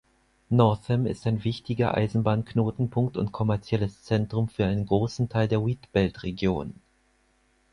Northam ist ein wichtiger Eisenbahnknotenpunkt und kommerzielles Zentrum für einen großen Teil der Wheatbelt-Region.